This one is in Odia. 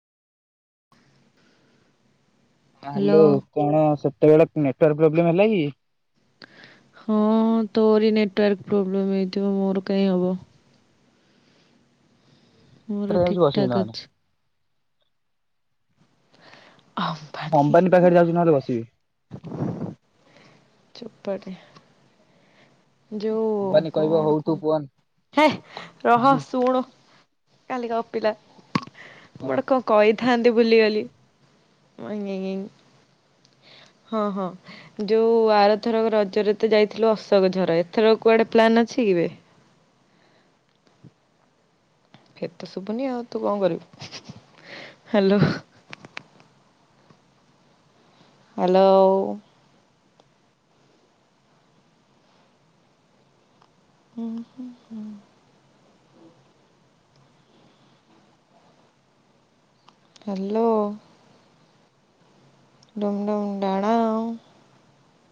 ହ୍ୟାଲୋ କଣ ସତ୍? ତୋଆଡ଼େ ନେଟୱର୍କ ପ୍ରୋବ୍ଲେମ ହେଲା କି? ହଁ ତୋରି ନେଟୱାର୍କ ପ୍ରୋବ୍ଲେମ ହେଇଥିବ ମୋର କାହିଁ ହବ? ମୋର ରେ ଯାଉଛି ଠିକ୍ ବସିବି ଠାକ୍ ନହେଲେ। ଅଛି। ଆମ୍ବାନୀ ହି ଅମ୍ବାନୀ ହି ପାଖରେ ଯାଉଛି ନହେଲେ ବସିବି ହି ଚୁପ୍। ପରେ। ଯୋ ଅମ୍ବାନୀ କହିବ କଣ ହଉ କ ତୁ ପୁଅ ହେ ରହ ଝି ଶୁଣ। ଖାଲି ଗପିଲା। କହ। ମୁଗୋଟେ କଣ କହିବ ଥାନ୍ତି ବୁଲିଗଲି ଆଇ ଆଇ ହଁ ହଁ ଯୋଉ ଆରଥର ରଜରେ ତ ଯାଇଥିଲୁ ଅଶୋକ ଝର ଏଥର କୁଆଡେ ପ୍ଲାନ ଅଛି କେବେ? ଫିର୍ତ ଶୁଭୁନି ଆଉ ତୁ କଣ କରିବୁ ହ୍ୟାଲୋ। ହାଲୋ ଓ। ହୁଁ ହୁଁ ହୁଁ। ହାଲୋ। ଡୁମ୍ ଡୁମ୍ ଡାଣା।